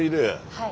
はい。